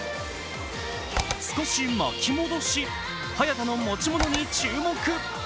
少し巻き戻し、早田の持ち物に注目。